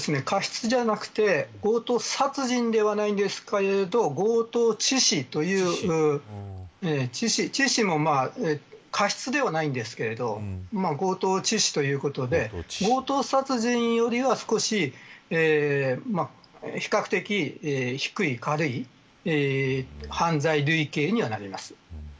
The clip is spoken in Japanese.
その場合、過失じゃなくて強盗殺人ではないんですけど強盗致死という致死は、過失ではないんですけど強盗致死ということで強盗殺人よりは少し比較的軽い犯罪類型にはなります。